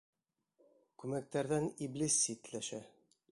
Күмәктәрҙән Иблис ситләшә.